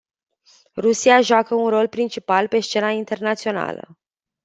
Rusia joacă un rol principal pe scena internațională.